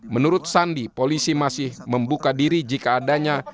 menurut sandi polisi masih membuka diri jika adanya